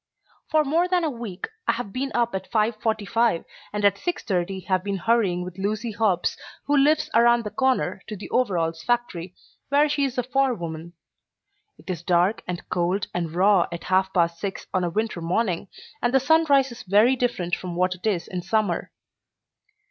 For more than a week I have been up at five forty five, and at six thirty have been hurrying with Lucy Hobbs, who lives around the corner, to the overalls factory, where she is a forewoman. It is dark and cold and raw at half past six on a winter morning, and the sunrise is very different from what it is in summer.